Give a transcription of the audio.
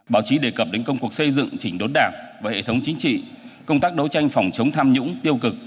báo chí đề cập đến công cuộc xây dựng chỉnh đốn đảng và hệ thống chính trị công tác đấu tranh phòng chống tham nhũng tiêu cực